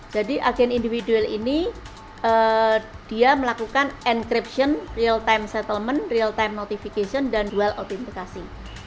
jadi agen individual ini dia melakukan encryption real time settlement real time notification dan dual otentikasi